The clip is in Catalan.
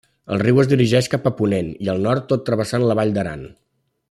El riu es dirigeix cap a ponent i al nord tot travessant la Vall d'Aran.